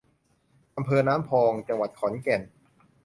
อำเภอน้ำพอง จังหวัดขอนแก่น